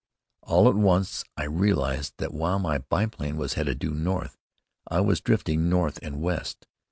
All at once, I realized that, while my biplane was headed due north, I was drifting north and west.